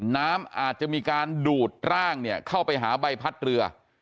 น้ำอาจจะมีการดูดร่างเนี่ยเข้าไปหาใบพัดเรือ